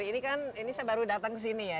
jadi kan ini saya baru datang kesini ya